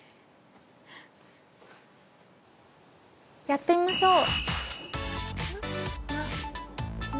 やってみましょう！